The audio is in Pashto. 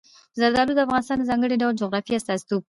زردالو د افغانستان د ځانګړي ډول جغرافیه استازیتوب کوي.